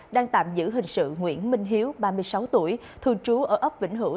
đang tạm giữ hình sự nguyễn minh hiếu ba mươi sáu tuổi thường trú ở ấp vĩnh hữu